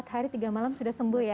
empat hari tiga malam sudah sembuh ya